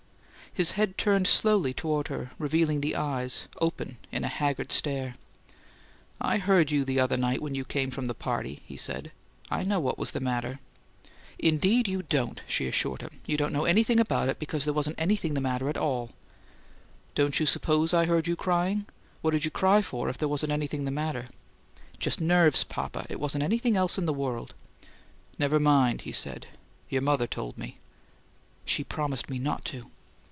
His head turned slowly toward her, revealing the eyes, open in a haggard stare. "I heard you the other night when you came from the party," he said. "I know what was the matter." "Indeed, you don't," she assured him. "You don't know anything about it, because there wasn't anything the matter at all." "Don't you suppose I heard you crying? What'd you cry for if there wasn't anything the matter?" "Just nerves, papa. It wasn't anything else in the world." "Never mind," he said. "Your mother told me." "She promised me not to!"